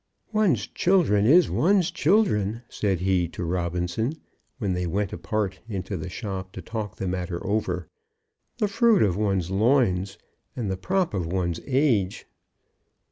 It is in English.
"One's children is one's children," said he to Robinson, when they went apart into the shop to talk the matter over. "The fruit of one's loins, and the prop of one's age."